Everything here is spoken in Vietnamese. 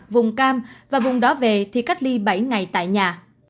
vùng cam và vùng đó về thì cách ly bảy ngày tại nhà